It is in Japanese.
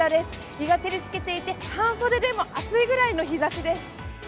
日が照りつけていて半袖でも暑いぐらいの日ざしです。